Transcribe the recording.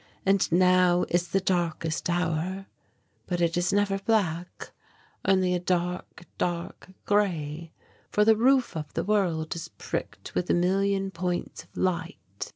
Now it is the darkest hour, but it is never black, only a dark, dark grey, for the roof of the world is pricked with a million points of light....